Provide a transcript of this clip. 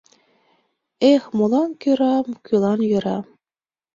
Эх, молан йӧра, кӧлан йӧра?